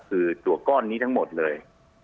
คือตัวก้อนนี้ทั้งหมดเลย